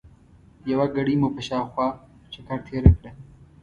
یوه ګړۍ مو په شاوخوا چکر تېره کړه.